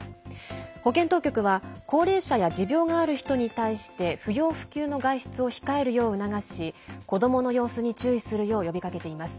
保健当局は高齢者や持病がある人に対して不要不急の外出を控えるよう促し子どもの様子に注意するよう呼びかけています。